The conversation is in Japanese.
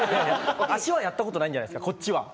足はやったことないんじゃないですか？